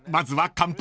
乾杯！